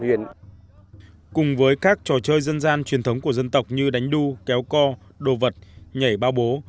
trong các trò chơi dân gian truyền thống của dân tộc như đánh đu kéo co đồ vật nhảy bao bố